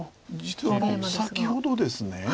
実は先ほどですね